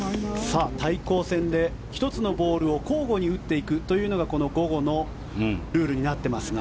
対抗戦で１つのボールを交互に打っていくというのが午後のルールになっていますが。